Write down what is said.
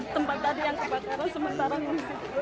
tempat tadi yang kebakaran sementara